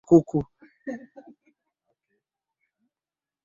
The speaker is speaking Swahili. Rudi nyumbani.